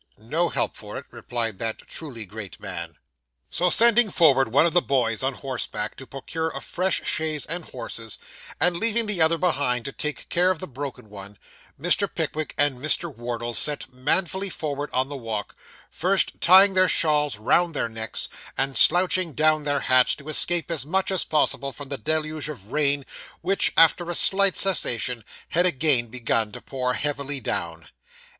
'No help for it,' replied that truly great man. So sending forward one of the boys on horseback, to procure a fresh chaise and horses, and leaving the other behind to take care of the broken one, Mr. Pickwick and Mr. Wardle set manfully forward on the walk, first tying their shawls round their necks, and slouching down their hats to escape as much as possible from the deluge of rain, which after a slight cessation had again begun to pour heavily down.